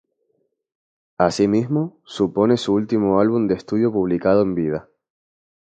Asimismo, supone su último álbum de estudio publicado en vida.